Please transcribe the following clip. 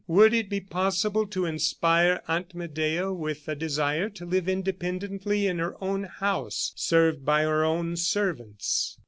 Would it be possible to inspire Aunt Medea with a desire to live independently in her own house, served by her own servants?